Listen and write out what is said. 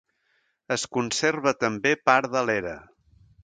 Es conserva també part de l'era.